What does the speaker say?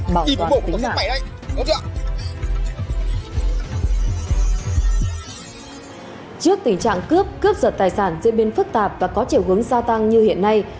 bạn cướp cướp giật tài sản diễn biến phức tạp và có chiều hướng gia tăng như hiện nay